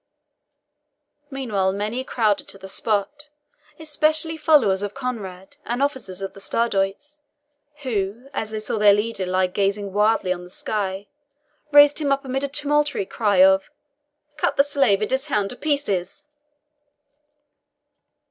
Meanwhile many crowded to the spot, especially followers of Conrade and officers of the Stradiots, who, as they saw their leader lie gazing wildly on the sky, raised him up amid a tumultuary cry of "Cut the slave and his hound to pieces!"